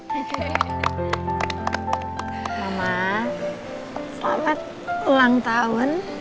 mama selamat ulang tahun